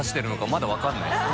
まだ分かんないですよ。